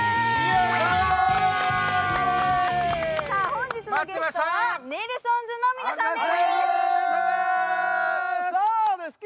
本日のゲストはネルソンズの皆さんです。